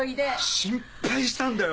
心配したんだよ。